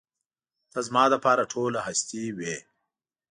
ته زما لپاره ټوله هستي وې.